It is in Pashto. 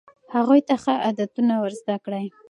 هغوی ته ښه عادتونه ور زده کړئ.